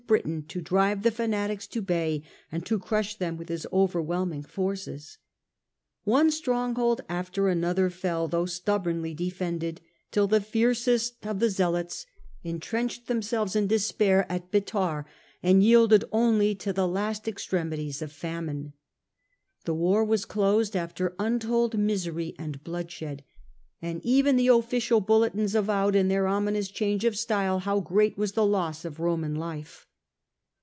Britain to drive the fanatics to bay and to crush them with his overwhelming forces. One stronghold after another fell, though stubbornly defended, till the fiercest of the zealots intrenched themselves in 117 138. Antoninus Pius, 73 their despair at Bether, and yielded only to the last ex tremities of famine. The war was closed after untold misery and bloodshed, and even the official bulletins avowed in their ominous change of style how great was the loss of Roman life.